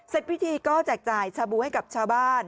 พิธีก็แจกจ่ายชาบูให้กับชาวบ้าน